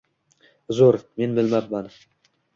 Uzr, men bilmabman.